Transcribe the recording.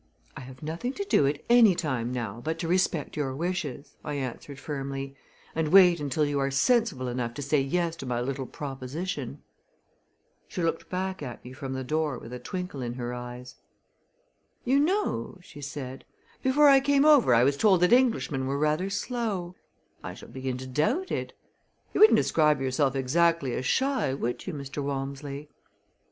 "I have nothing to do at any time now but to respect your wishes," I answered firmly, "and wait until you are sensible enough to say Yes to my little proposition." She looked back at me from the door with a twinkle in her eyes. "You know," she said, "before I came over I was told that Englishmen were rather slow. I shall begin to doubt it. You wouldn't describe yourself exactly as shy, would you, Mr. Walmsley?"